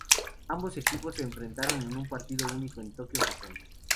Ambos equipos se enfrentaron en un partido único en Tokio, Japón.